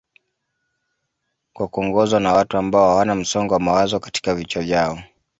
kwa kuongozwa na watu ambao hawana msongo wa mawazo katika vichwa vyao